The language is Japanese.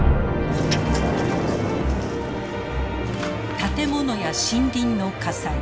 建物や森林の火災。